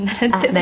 「何？